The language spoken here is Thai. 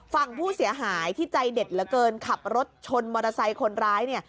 ฝั่งผู้เสียหายที่ใจเด็ดเหลือเกินขับรถชนมอเตอร์ไซค์คนร้ายเนี่ย